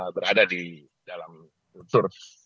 berada di dalam kultur